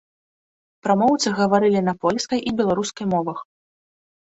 Прамоўцы гаварылі на польскай і беларускай мовах.